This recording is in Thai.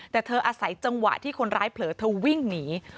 แต่เธออาศัยจังหวะที่คนร้ายเผลอเธอวิ่งหนี